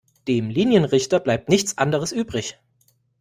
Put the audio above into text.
Dem Linienrichter bleibt nichts anderes übrig.